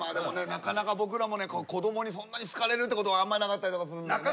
なかなか僕らもね子どもにそんなに好かれるってことはあんまりなかったりとかするんでね。